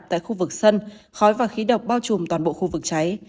tại khu vực sân khói và khí độc bao trùm toàn bộ khu vực cháy